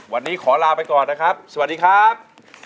วันนี้ขอลาไปก่อนนะครับสวัสดีครับ